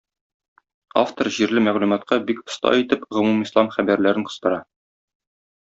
Автор җирле мәгълүматка бик оста итеп гомумислам хәбәрләрен кыстыра.